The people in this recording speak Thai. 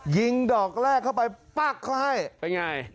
ยิงดอกแรกเข้าไปปั๊กเขาให้